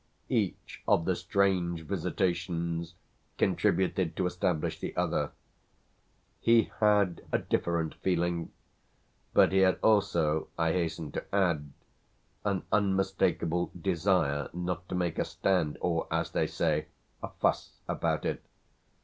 Each of the strange visitations contributed to establish the other. He had a different feeling; but he had also, I hasten to add, an unmistakable desire not to make a stand or, as they say, a fuss about it.